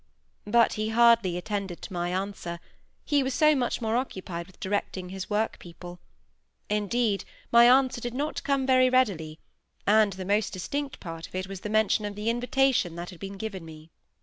But he hardly attended to my answer, he was so much more occupied with directing his work people. Indeed, my answer did not come very readily; and the most distinct part of it was the mention of the invitation that had been given me.